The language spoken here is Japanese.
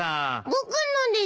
僕のです！